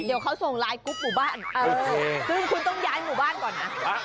เดี๋ยวเขาส่งไลน์กรุ๊ปหมู่บ้านซึ่งคุณต้องย้ายหมู่บ้านก่อนนะ